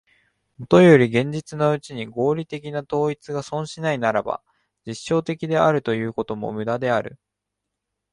もとより現実のうちに合理的な統一が存しないならば、実証的であるということも無駄である。